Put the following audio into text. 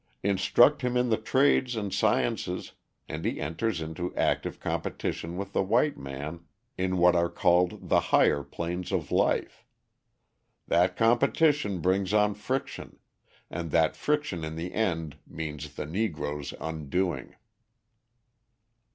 Instruct him in the trades and sciences and he enters into active competition with the white man in what are called the higher planes of life. That competition brings on friction, and that friction in the end means the Negroe's undoing.